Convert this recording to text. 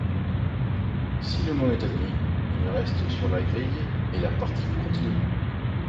Si le mot est admis, il reste sur la grille et la partie continue.